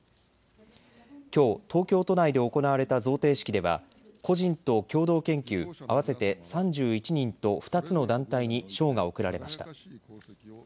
きょう東京都内で行われた贈呈式では個人と共同研究合わせて３１人と２つの団体に賞が贈られました。